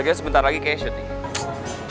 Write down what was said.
lagi lagi sebentar lagi kayak shoot nih